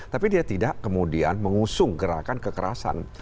tapi dia tidak kemudian mengusung gerakan kekerasan